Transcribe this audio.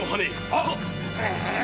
はっ！